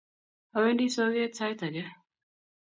Awendi soget sait ake